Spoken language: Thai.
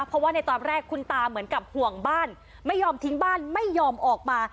เพราะว่าในตอนแรกคุณตาเหมือนกับห่วงบ้านไม่ยอมทิ้งบ้านไม่ยอมออกมา